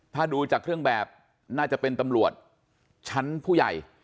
ถ้าดูจากเครื่องแบบน่าจะเป็นตำรวจชั้นผู้ใหญ่